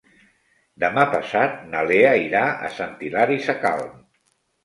Demà passat na Lea irà a Sant Hilari Sacalm.